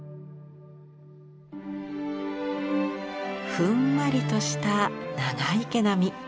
ふんわりとした長い毛並み。